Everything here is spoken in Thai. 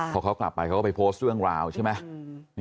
พอเขากลับไปเขาก็ไปโพสต์เรื่องราวใช่ไหม